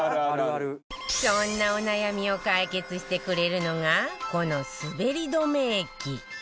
そんなお悩みを解決してくれるのがこのすべり止め液